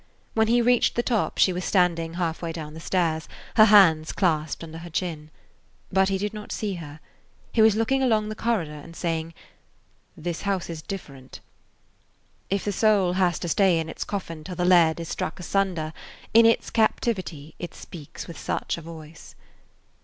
When he reached the top she was standing half way down the stairs, her hands clasped under her chin. But he did not see her. He was looking along the corridor and saying, "This house is different." If the soul has to stay in its coffin till the lead is struck asunder, in its captivity it speaks with such a voice.